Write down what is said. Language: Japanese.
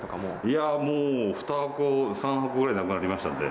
いやもう２箱３箱ぐらいなくなりましたんで。